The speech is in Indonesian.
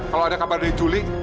kalau ada kabar dari juli